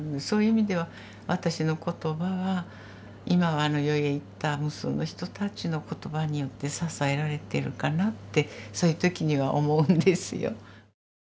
そういう意味では私の言葉は今はあの世へ行った無数の人たちの言葉によって支えられてるかなってそういう時には思うんですよ。